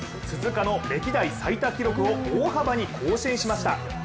鈴鹿の歴代最多記録を大幅に更新しました。